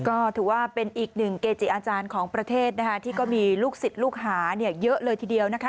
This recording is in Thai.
ก็ถือว่าเป็นอีกหนึ่งเกจิอาจารย์ของประเทศนะคะที่ก็มีลูกศิษย์ลูกหาเนี่ยเยอะเลยทีเดียวนะคะ